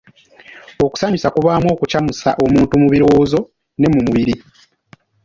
Okusanyusa kubaamu okucamusa omuntu mu birowoozo ne mu mubiri.